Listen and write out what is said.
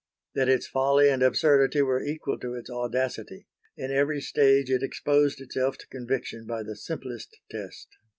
That its folly and absurdity were equal to its audacity; in every stage it exposed itself to conviction by the simplest tests.